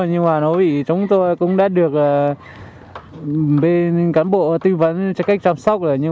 nhưng mà nó bị chúng tôi cũng đã được bên cán bộ tư vấn cho cách chăm sóc rồi